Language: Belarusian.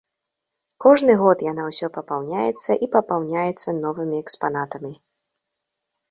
Кожны год яна ўсё папаўняецца і папаўняецца новымі экспанатамі.